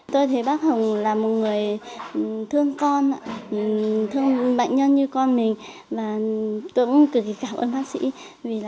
tôi thấy bác hồng là một người thương con thương bệnh nhân như con mình tôi cũng cực kỳ cảm ơn bác sĩ